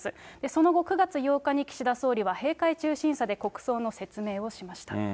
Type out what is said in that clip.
その後、９月８日に岸田総理は閉会中審査で国葬の説明をしました。